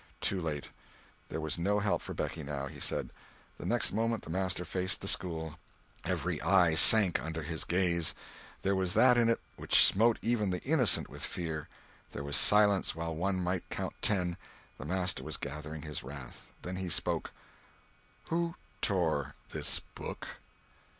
Too late. There was no help for Becky now, he said. The next moment the master faced the school. Every eye sank under his gaze. There was that in it which smote even the innocent with fear. There was silence while one might count ten—the master was gathering his wrath. Then he spoke: "Who tore this book?"